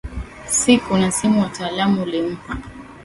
sic unasimu wataalamu ulimpa